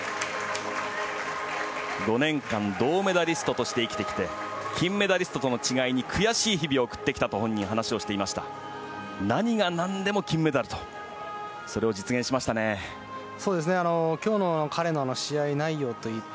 ５年間、銅メダリストとして生きてきて金メダリストとの違いに悔しい日々を送ってきたと本人、話していました。